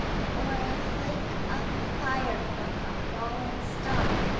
Or a flake of fire from a falling star?